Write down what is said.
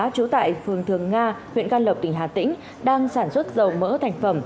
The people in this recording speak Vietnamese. trú tại phường thường nga huyện can lộc tỉnh hà tĩnh đang sản xuất dầu mỡ thành phẩm